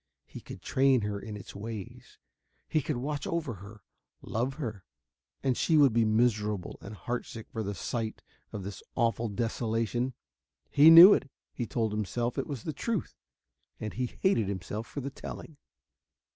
He could train her in its ways. He would watch over her, love her.... And she would be miserable and heartsick for the sight of this awful desolation. He knew it he told himself it was the truth and he hated himself for the telling.